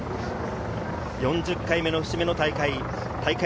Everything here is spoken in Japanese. ４０回目の節目の大会大会。